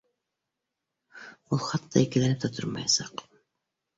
Ул хатта икеләнеп тә тормаясаҡ